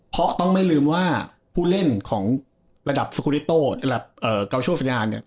เพราะต้องไม่ลืมว่าผู้เล่นของระดับสกุลิโตร์หรือแบบเกาโชว์ศรีนาเนี่ย